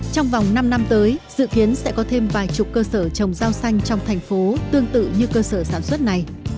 trong vòng năm năm tới dự kiến sẽ có thêm vài chục cơ sở trồng rau xanh trong thành phố tương tự như cơ sở sản xuất này